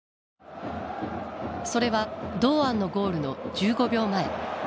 それは堂安のゴールの１５秒前。